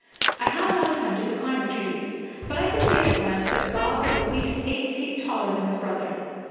I have not attempted to climb the trees; but I can see at a glance that Gog is at least eight feet taller than his brother.